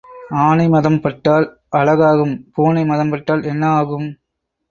ஆனை மதம் பட்டால் அழகாகும் பூனை மதம் பட்டால் என்ன ஆகும்?